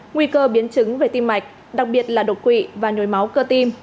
nguy cơ biến chứng về tim mạch đặc biệt là độc quỷ và nhồi máu cơ tim